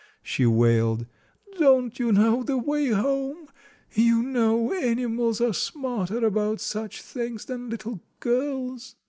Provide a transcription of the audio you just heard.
she wailed, "don't you know the way home? You know, animals are smarter about such things than little girls."